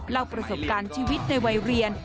เล่าประสบการณ์ชีวิตในวัยเรียน